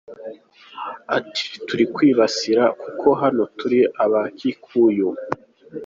Ati “Turi kwibasira kuko hano turi aba-Kikuyu.